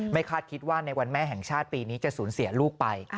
คาดคิดว่าในวันแม่แห่งชาติปีนี้จะสูญเสียลูกไป